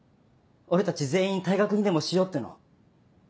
俺たち全員退学にでもしようっての？